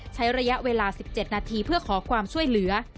ใช้ระยะเวลา๑๗นาทีเพื่อขอความช่วยเหลือ